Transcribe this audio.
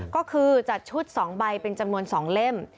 ก็คือจัดชุด๒ใบเป็นจำนวน๒เล่ม